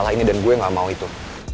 lah ini dan gue gak mau itu